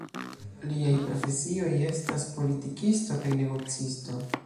Liaj profesioj estas politikisto kaj negocisto.